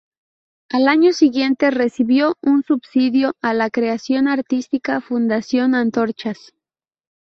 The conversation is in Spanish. Al año siguiente recibió un Subsidio a la Creación artística, Fundación Antorchas.